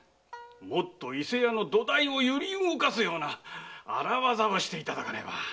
もっと伊勢屋の土台を揺り動かすような荒業をしていただかねば。